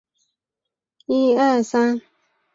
刘秀峰幼年在完县中心高等小学学习。